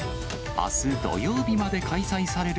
あす土曜日まで開催される